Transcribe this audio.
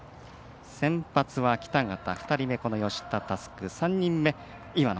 先発は北方２人目、吉田佑久３人目、岩野。